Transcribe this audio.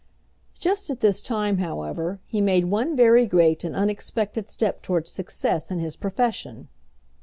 Just at this time, however, he made one very great and unexpected step towards success in his profession.